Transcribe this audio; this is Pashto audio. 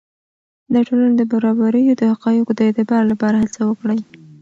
د ټولنې د برابریو د حقایقو د اعتبار لپاره هڅه وکړئ.